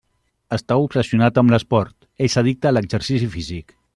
Està obsessionat amb l'esport: és addicte a exercici físic.